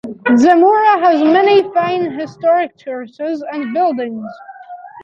Zamora has many fine historic churches and buildings.